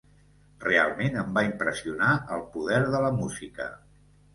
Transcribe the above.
Realment em va impressionar el poder de la música.